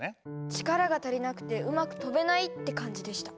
力が足りなくてうまく飛べないって感じでした。